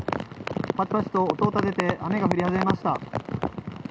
ぱちぱちと音を立てて雨が降り始めました。